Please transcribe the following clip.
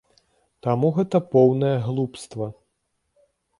Таму гэта поўнае глупства.